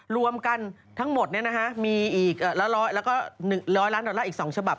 รวมกันทั้งหมดมี๑๐๐ล้านดอลลาร์อย่างอีก๒ฉบับ